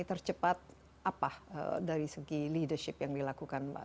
tercepat apa dari segi leadership yang dilakukan mbak